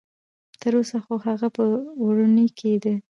تر اوسه خو هغه په وړوني کې ده.